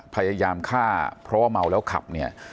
พยายามฆ่าเพราะว่าเมาแล้วขับเนี่ย